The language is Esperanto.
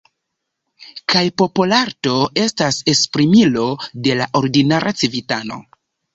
Kaj popolarto estas esprimilo de la ordinara civitano.